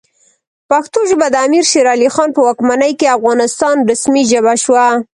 پښتو ژبه د امیر شیرعلی خان په واکمنۍ کې د افغانستان رسمي ژبه شوه.